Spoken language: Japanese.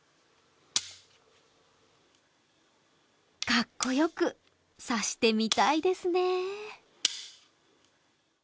かっこよく指してみたいですね。